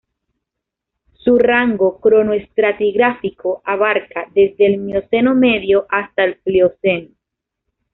Su rango cronoestratigráfico abarca desde el Mioceno medio hasta el Plioceno.